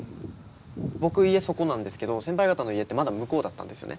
僕家そこなんですけど先輩方の家ってまだ向こうだったんですよね。